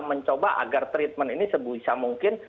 mencoba agar treatment ini sebisa mungkin